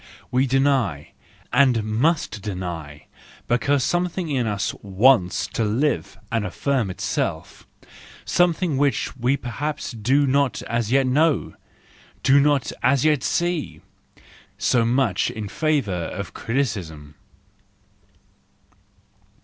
We deny, and must deny, because something in us wants to live and affirm itself, something which we perhaps do not as yet know, do not as yet see!—So much in favour of criticism.